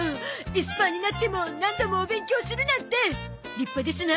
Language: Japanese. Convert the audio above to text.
エスパーになっても何度もお勉強するなんて立派ですな。